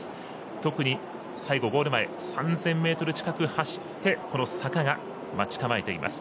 特に最後、ゴール前３０００ｍ近く走ってこの坂が待ち構えています。